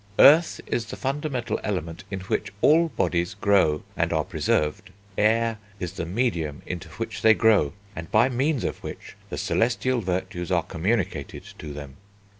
"Earth is the fundamental Element in which all bodies grow and are preserved. Air is the medium into which they grow, and by means of which the celestial virtues are communicated to them."